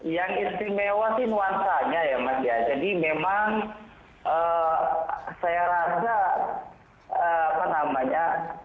yang istimewa sih nuansanya ya mas ya jadi memang saya rasa apa namanya